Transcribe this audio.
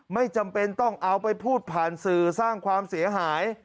ไม่จำเป็นต้องเอาไปพูดผ่านสื่อสร้างความเสียหาย